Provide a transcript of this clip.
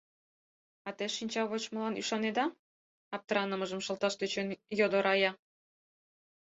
— А те шинча вочмылан ӱшанеда? — аптранымыжым шылташ тӧчен, йодо Рая.